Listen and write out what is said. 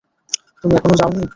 তুমি এখনও যাওনি?